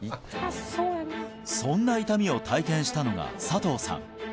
そんな痛みを体験したのが佐藤さん